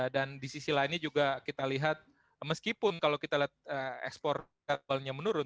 dan di sisi lainnya juga kita lihat meskipun kalau kita lihat ekspor kabelnya menurun